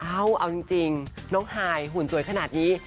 เอาจริงน้องฮายหุ่นสวยขนาดนี้